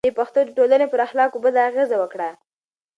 دې پېښو د ټولنې پر اخلاقو بده اغېزه وکړه.